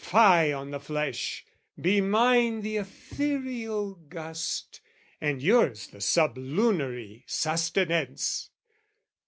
"Fie on the flesh be mine the etherial gust, "And yours the sublunary sustenance!